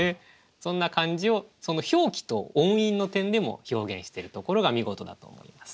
そんな感じを表記と音韻の点でも表現してるところが見事だと思います。